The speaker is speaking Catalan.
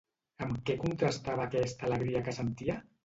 Amb què contrastava aquesta alegria que sentia?